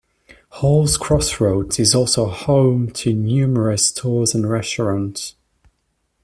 Halls Crossroads is also home to numerous stores and restaurants.